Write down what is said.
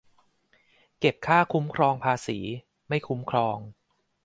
เก็บค่าคุ้มครองภาษี ไม่คุ้มครอง